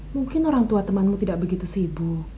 mungkin orang tua temanmu tidak begitu sibuk